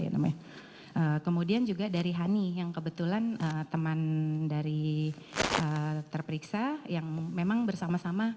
namanya kemudian juga dari hani yang kebetulan teman dari terperiksa yang memang bersama sama